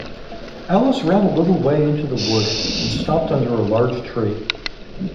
Alice ran a little way into the wood, and stopped under a large tree.